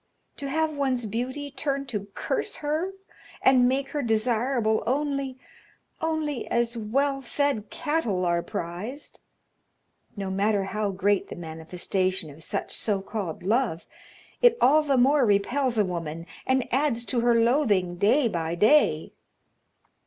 To have one's beauty turn to curse her and make her desirable only only as well fed cattle are prized. No matter how great the manifestation of such so called love, it all the more repels a woman and adds to her loathing day by day.